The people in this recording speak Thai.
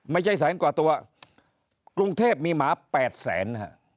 ไม่ใช่แสนกว่าตัวกรุงเทพมีหมาแปดแสนฮะ